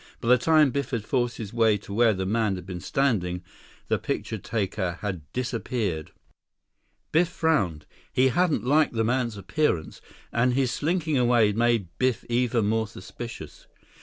By the time Biff had forced his way to where the man had been standing, the picture taker had disappeared. 24 Biff frowned. He hadn't liked the man's appearance, and his slinking away made Biff even more suspicious.